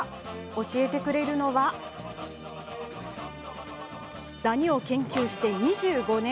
教えてくださるのはダニを研究して２５年。